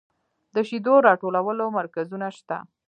د شیدو راټولولو مرکزونه شته؟